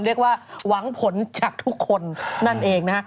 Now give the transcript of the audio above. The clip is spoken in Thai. เรียกว่าหวังผลจากทุกคนนั่นเองนะฮะ